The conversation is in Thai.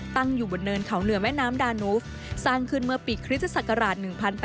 ตั้งอยู่บนเนินเขาเหนือแม่น้ำดานูฟสร้างขึ้นเมื่อปีคริสตศักราช๑๘